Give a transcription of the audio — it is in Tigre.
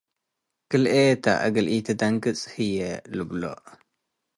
“ክልኤ Gah ተ፡ እግል ኢትደንግጽ”ሥ ህዬ ልብሎ ።